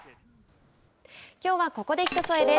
きょうはここで「ひとそえ」です。